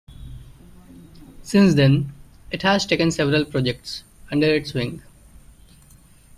Since then it has taken several projects under its wing.